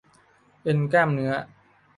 เอ็นกล้ามเนื้อ